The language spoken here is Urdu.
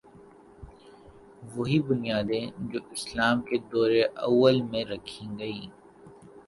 وہی بنیادیں جو اسلام کے دور اوّل میں رکھی گئیں۔